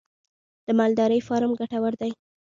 د مالدارۍ فارم ګټور دی؟